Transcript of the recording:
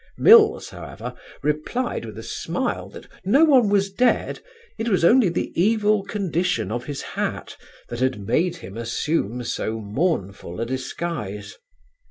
Mills, however, replied, with a smile, that no one was dead it was only the evil condition of his hat that had made him assume so mournful a disguise.